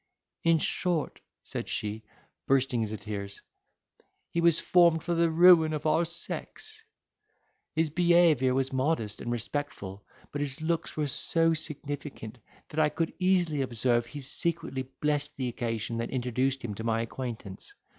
"In short," said she, bursting into tears, "he was formed for the ruin of our sex. His behaviour was modest and respectful, but his looks were so significant, that I could easily observe he secretly blessed the occasion that introduced him to my acquaintance.